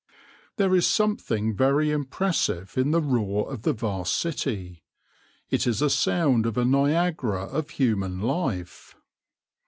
There is something very impressive in the roar of the vast city. It is a sound of a Niagara of human life.